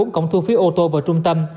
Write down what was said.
ba mươi bốn cổng thu phí ô tô vào trung tâm